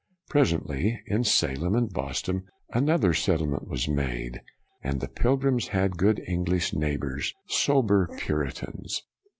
Presently, in Salem and Bos ton, another settlement was made, and the pilgrims had good English neighbors, sober Puritans.